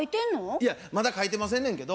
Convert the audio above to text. いやまだ書いてませんねんけど。